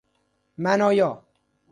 منایا